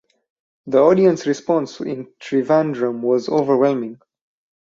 The audience response in Trivandrum was overwhelming.